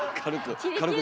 軽く。